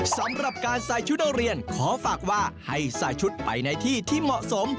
สำหรับการใส่ชุดนักเรียนขอฝากว่าให้ใส่ชุดไปในที่ที่เหมาะสม